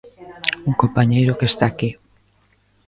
Un compañeiro que está aquí.